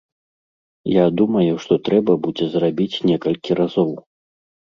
Я думаю, што трэба будзе зрабіць некалькі разоў.